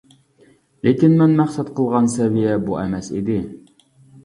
لېكىن مەن مەقسەت قىلغان سەۋىيە بۇ ئەمەس ئىدى.